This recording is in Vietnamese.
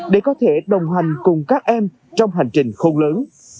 để có thể đồng hành cùng các em trong hành trình khôn lớn